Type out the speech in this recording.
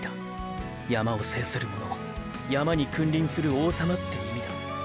山を制する者ーー山に君臨する王様って意味だ。